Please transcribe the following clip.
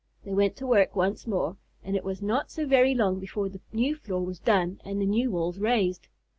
They went to work once more, and it was not so very long before the new floor was done and the new walls raised.